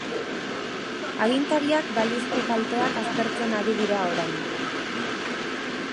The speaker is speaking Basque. Agintariak balizko kalteak aztertzen ari dira orain.